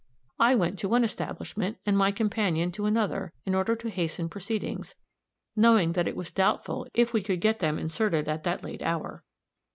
I went to one establishment and my companion to another, in order to hasten proceedings, knowing that it was doubtful if we could get them inserted at that late hour.